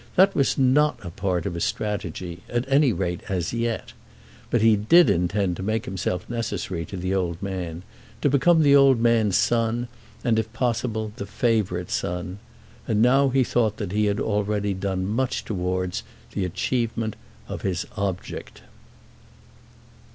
That was not a part of his strategy, at any rate as yet. But he did intend to make himself necessary to the old man, to become the old man's son, and if possible the favourite son. And now he thought that he had already done much towards the achievement of his object.